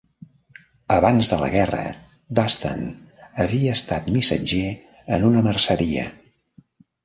Abans de la guerra, Dunstan havia estat missatger en una merceria.